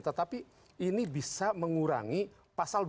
tetapi ini bisa mengurangi pasal dua puluh dua e